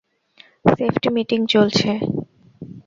Safety meeting চলছে।